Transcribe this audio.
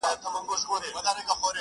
خداى يو مالگي تروې دي.